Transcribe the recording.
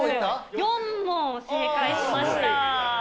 ４問正解しました。